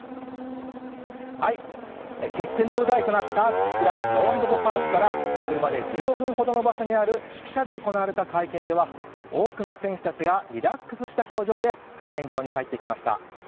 決戦の舞台となったローンデポ・パークから車で１５分ほどの場所にある宿舎で行われた会見では多くの選手たちがリラックスした表情で会見場に入ってきました。